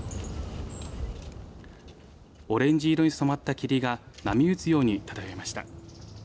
オレンジ色に染まった霧が波打つように漂いました。